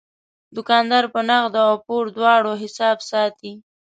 دوکاندار په نغدو او پور دواړو حساب ساتي.